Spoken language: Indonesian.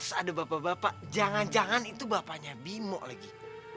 terus ada bapak bapak jangan jangan itu bapaknya bimo lagi